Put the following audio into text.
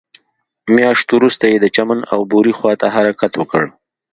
مياشت وروسته يې د چمن او بوري خواته حرکت وکړ.